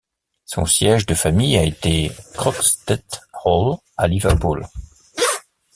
Son siège de famille a été Croxteth Hall à Liverpool.